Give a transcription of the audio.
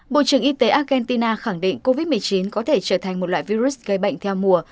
bộ trưởng y tế argentina khẳng định covid một mươi chín có thể trở thành một loại virus gây bệnh theo mùa